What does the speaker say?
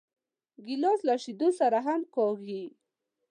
ګیلاس له شیدو سره هم کارېږي.